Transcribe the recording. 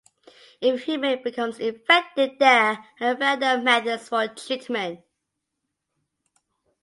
If a human becomes infected there are a variety of methods for treatment.